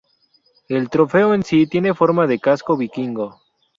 El trofeo en sí tiene forma de casco vikingo.